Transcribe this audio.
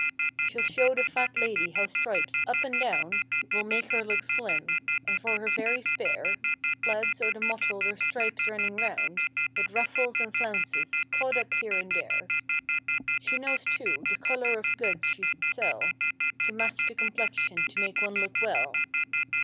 She'll show the fat lady how stripes—up and down. Will make her look slim—and for her very spare. Plaids or the mottled or stripes running round With ruffles and flounces "caught up here and there." She knows, too, the color of goods she should sell To match the complexion to make one look well.